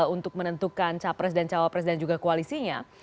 untuk menentukan cawa pres dan cawa pres dan juga koalisinya